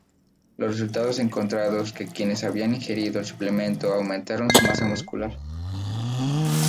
Los resultados encontraron que quienes habían ingerido el suplemento aumentaron su masa muscular.